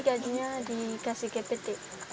gajinya dikasih ke pt